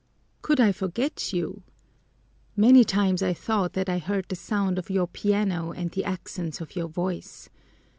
"Could I forget you? Many times have I thought that I heard the sound of your piano and the accents of your voice.